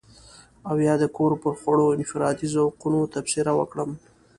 او يا د کور پر خوړو او انفرادي ذوقونو تبصره وکړم.